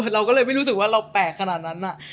เราก็เลยไม่รู้สึกว่าเราแปลกขนาดนั้น